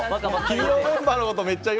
金曜メンバーのこと。